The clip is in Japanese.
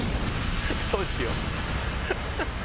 どうしよう。